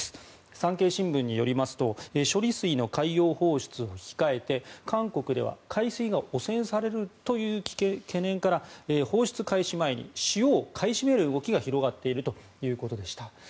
産経新聞によりますと処理水の海洋放出を控えて韓国では海水が汚染されるという懸念から放出開始前に塩を買い占める動きが広がっているということでした。